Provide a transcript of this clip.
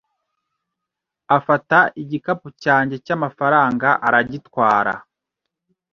Afata igikapu cyanjye cyamafaranga aragitwara